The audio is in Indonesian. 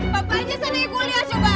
papa aja sendiri kuliah coba